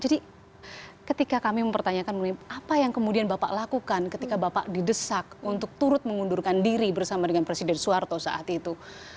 jadi ketika kami mempertanyakan mengenai apa yang kemudian bapak lakukan ketika bapak didesak untuk turut mengundurkan diri bersama dengan presiden suwarto saat itu